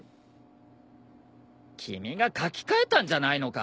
君が書き換えたんじゃないのか！？